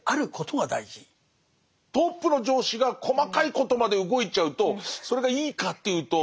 トップの上司が細かいことまで動いちゃうとそれがいいかっていうとあんま良くないですもんね。